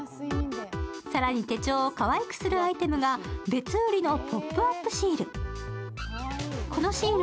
更に手帳をかわいくするアイテムが別売りのポップアップシール。